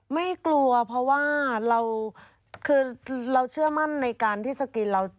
ไม่กลัวเพราะว่าเราคือเราเชื่อมั่นในการที่สกรีนเรา